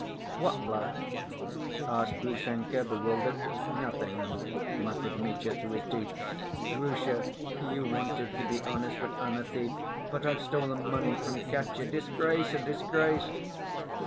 "What blood?" asked Grushenka, bewildered. "Nothing," muttered Mitya, through his teeth. "Grusha, you wanted to be honest, but I'm a thief. But I've stolen money from Katya.... Disgrace, a disgrace!"